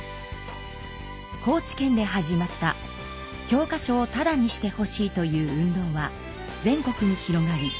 高知県で始まった教科書をタダにしてほしいという運動は全国に広がり